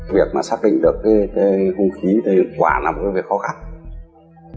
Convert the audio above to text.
việc mà xác định được cái hương khí thì quả là một cái vấn đề rất là quan trọng